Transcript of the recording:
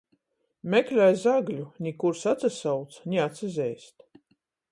Meklej zagļu, ni kurs atsasauc, ni atsazeist.